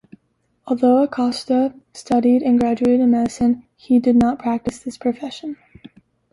Although Acosta studied and graduated in medicine, he did not practice this profession.